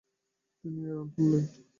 তিনি এ রান তুলেন।